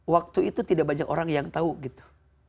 waktu itu tidak banyak orang yang tahu gitu